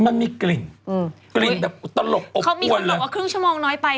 มันมีกลิ่นอืมกลิ่นแบบตลกอบเขามีคนบอกว่าครึ่งชั่วโมงน้อยไป